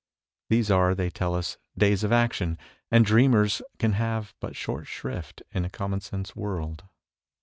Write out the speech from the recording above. These are, they tell us, days of action, and dreamers can have but short shrift in a common sense world.